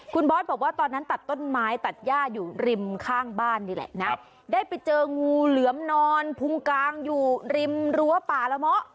คุณบอสบอกว่าตอนนั้นตัดต้นไม้ตัดย่าอยู่ริมข้างบ้านนี่แหละนะได้ไปเจองูเหลือมนอนพุงกลางอยู่ริมรั้วป่าละเมาะ